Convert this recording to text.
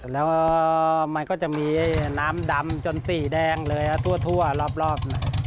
แล้วมันก็จะมีน้ำดำจนสีแดงเลยทั่วรอบ